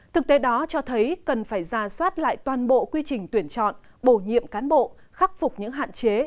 thực tế đó cho thấy cần phải ra soát lại toàn bộ quy trình tuyển chọn bổ nhiệm cán bộ khắc phục những hạn chế